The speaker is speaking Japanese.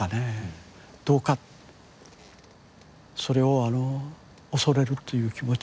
それを恐れるという気持ち